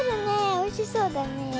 おいしそうだねえ。